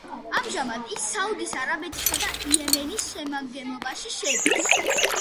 ამჟამად ის საუდის არაბეთისა და იემენის შემადგენლობაში შედის.